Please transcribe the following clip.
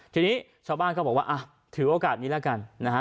ทีนี้ชาวบ้านก็บอกว่าอ่ะถือโอกาสนี้แล้วกันนะฮะ